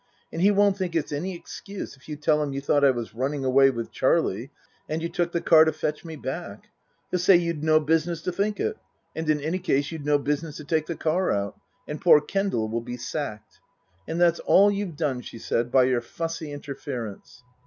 And he won't think it's any excuse if you tell him you thought I was running away with Charlie, and you took the car to fetch me back; he'll say you'd no business to think it and in any case you'd no business to take the car out. And poor Kendal will be sacked. " That's all you've done," she said, " by your fussy interference."